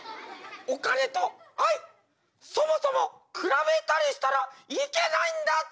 「お金と愛そもそも比べたりしたらいけないんだぜ！」。